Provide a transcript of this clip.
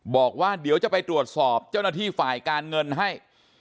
บอกว่าเดี๋ยวจะไปตรวจสอบเจ้าหน้าที่ฝ่ายการเงินให้